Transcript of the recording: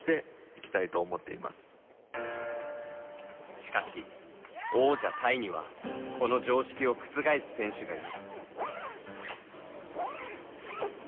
しかし王者、タイにはこの常識を覆す選手がいます。